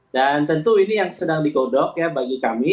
tentu ini yang sedang dikodok ya bagi kami